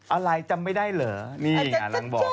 อะไรจำไม่ได้เหรอนี่อย่างงี้อ่านหลังบอก